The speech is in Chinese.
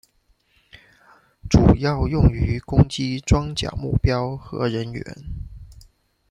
主要用于攻击装甲目标和人员。